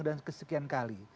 dan kesekian kali